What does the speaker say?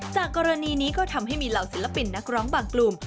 จากกรณีนี้ก็ทำให้มีเหล่าศิลปินนักร้องบางกลุ่ม